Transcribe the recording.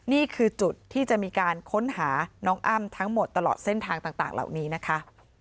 นี่คือจุดที่จะมีการค้นหาน้องอ้ำทั้งหมดตลอดเส้นทางต่างเหล่านี้นะคะ